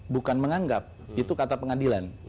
bukan menganggap itu kata pengadilan